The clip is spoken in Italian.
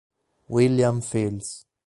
William Fields